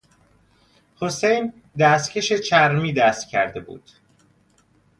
حسین دستکش چرمی دست کرده بود.